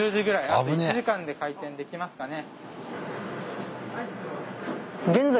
あと１時間で開店できますかね。